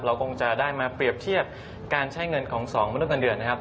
คงจะได้มาเปรียบเทียบการใช้เงินของ๒มนุษย์เงินเดือนนะครับ